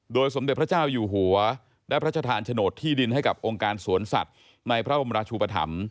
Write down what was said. สมเด็จพระเจ้าอยู่หัวได้พระชธานโฉนดที่ดินให้กับองค์การสวนสัตว์ในพระบรมราชุปธรรม